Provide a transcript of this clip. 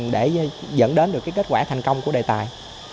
để dẫn đến được kết quả thành công của đề tài